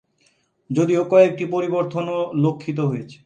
যদিও কয়েকটি পরিবর্তনও লক্ষিত হয়েছে।